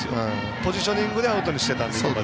ポジショニングでアウトにしてたので。